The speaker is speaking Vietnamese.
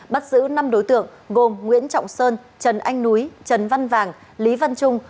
bắt giữ năm đối tượng gồm nguyễn trọng sơn trần anh núi trần văn vàng lý văn trung